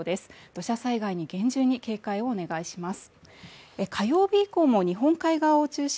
土砂災害に厳重に警戒をお願いします。